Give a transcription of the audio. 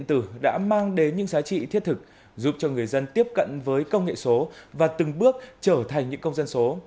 thể căn cước công dân gắn chip điện tử đã mang đến những giá trị thiết thực giúp cho người dân tiếp cận với công nghệ số và từng bước trở thành những công dân số